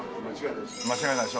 間違いないでしょ？